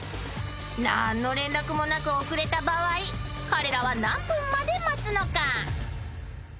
［何の連絡もなく遅れた場合彼らは何分まで待つのか？］